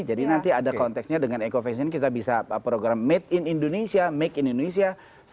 jadi nanti ada konteksnya dengan eco fashion kita bisa program made in indonesia make in indonesia